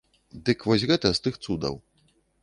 Дык вось гэта з тых цудаў.